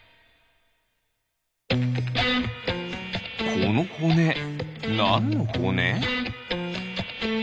このほねなんのほね？